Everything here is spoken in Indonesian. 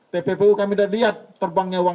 tppu kami sudah lihat terbangnya uang